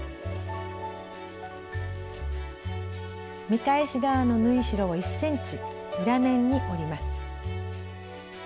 見返し側の縫い代を１ｃｍ裏面に折ります。